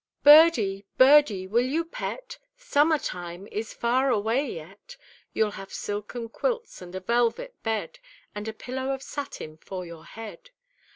"BIRDIE, Birdie, will you pet? Summer time is far away yet, You'll have silken quilts and a velvet bed, And a pillow of satin for your head!"